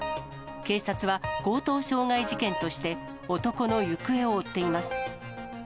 警察は強盗傷害事件として、男の行方を追っています。